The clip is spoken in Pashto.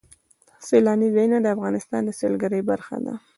سیلانی ځایونه د افغانستان د سیلګرۍ برخه ده.